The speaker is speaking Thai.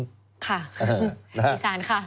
ค่ะอีสานค่ะ